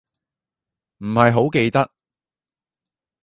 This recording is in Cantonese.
唔係好記得